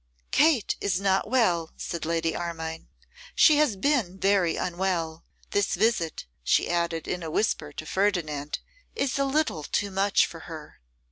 'Kate is not well,' said Lady Armine. 'She has been very unwell. This visit,' she added in a whisper to Ferdinand, 'is a little too much for her.